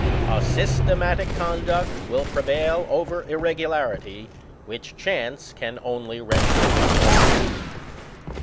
A systematic conduct will prevail over irregularity, which chaiice can only render victorious.